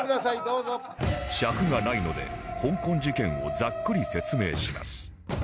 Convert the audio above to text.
尺がないのでほんこん事件をざっくり説明します。